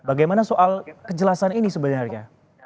bagaimana soal kejelasan ini sebenarnya